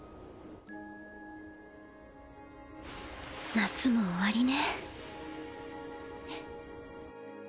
夏も終わりね。